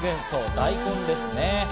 そう、大根ですね。